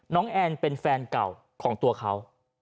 แอนเป็นแฟนเก่าของตัวเขา